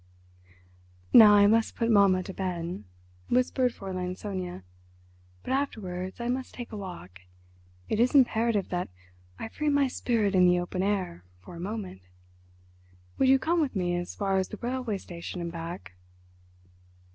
"Now I must put mamma to bed," whispered Fräulein Sonia. "But afterwards I must take a walk. It is imperative that I free my spirit in the open air for a moment. Would you come with me as far as the railway station and back?"